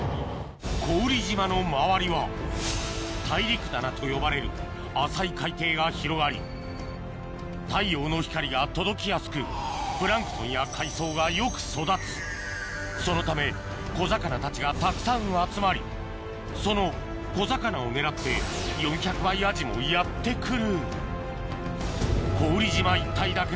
古宇利島の周りは大陸棚と呼ばれる浅い海底が広がり太陽の光が届きやすくプランクトンや海藻がよく育つそのため小魚たちがたくさん集まりその小魚を狙って４００倍アジもやって来る